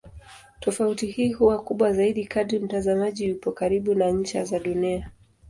Tofauti hii huwa kubwa zaidi kadri mtazamaji yupo karibu na ncha za Dunia.